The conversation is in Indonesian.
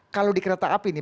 kalau di kereta api nih